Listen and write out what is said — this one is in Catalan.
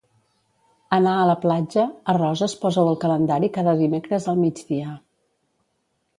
"Anar a la platja" a Roses posa-ho al calendari cada dimecres al migdia.